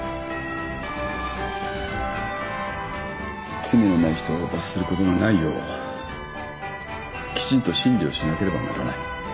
罪のない人を罰することのないようきちんと審理をしなければならない。